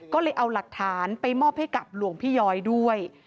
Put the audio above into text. ก็เลยเอาหลักฐานไปมอบให้กับหลวงพี่ย้อยด้วย